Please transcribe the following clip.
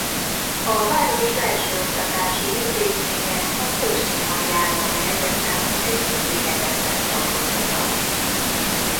A város felsőoktatási intézménye a Kosztromai Állami Egyetem egyik kihelyezett tagozata.